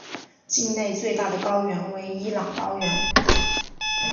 境内最大的高原为伊朗高原。